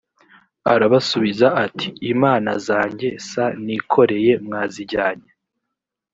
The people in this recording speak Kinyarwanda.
arabasubiza ati imana zanjye s nikoreye mwazijyanye